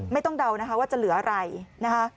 ไม่ต้องเดาว่าจะเหลืออะไรนะคะ